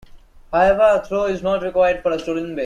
However, a throw is not required for a stolen base.